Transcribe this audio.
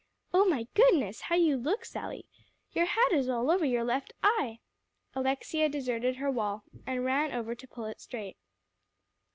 "Oh my goodness, how you look, Sally! Your hat is all over your left eye." Alexia deserted her wall, and ran over to pull it straight.